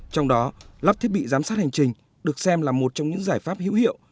trong đó lắp thiết bị giám sát hành trình được xem là một trong những giải pháp hữu hiệu